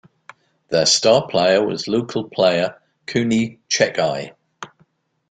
Their star player was local player, Cooney Checkeye.